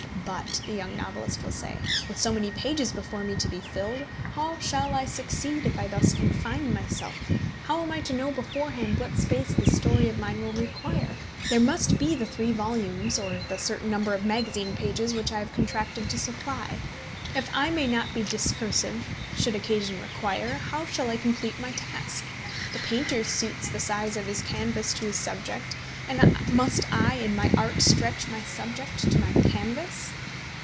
"But," the young novelist will say, "with so many pages before me to be filled, how shall I succeed if I thus confine myself; how am I to know beforehand what space this story of mine will require? There must be the three volumes, or the certain number of magazine pages which I have contracted to supply. If I may not be discursive should occasion require, how shall I complete my task? The painter suits the size of his canvas to his subject, and must I in my art stretch my subject to my canvas?"